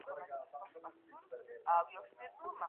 پټرول د موټرو خوراک دی.